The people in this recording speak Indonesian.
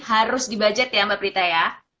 harus di budget ya mbak prita ya